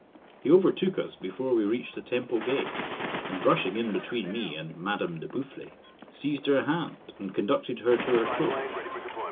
He overtook us before we reached the Temple gate, and brushing in between me and Madame de Boufflers, seized her hand, and conducted her to her coach.